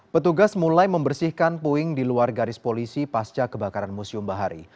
petugas mulai membersihkan puing di luar garis polisi pasca kebakaran museum bahari